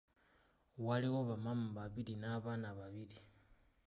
Waaliwo bamaama babiri n’abaana babiri.